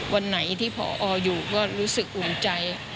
วันไหนที่พออยู่ก็รู้สึกอุ่นใจ